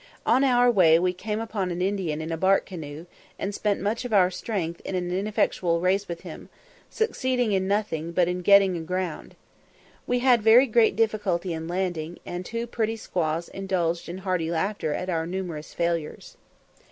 On our way we came upon an Indian in a bark canoe, and spent much of our strength in an ineffectual race with him, succeeding in nothing but in getting aground. We had very great difficulty in landing, and two pretty squaws indulged in hearty laughter at our numerous failures.